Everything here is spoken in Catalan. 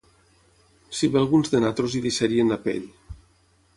...si bé alguns de nosaltres hi deixarien la pell